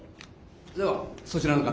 ではそちらの方。